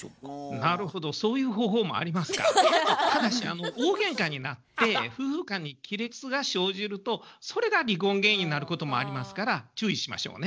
なるほどそういう方法もありますがただし大げんかになって夫婦間に亀裂が生じるとそれが離婚原因になることもありますから注意しましょうね。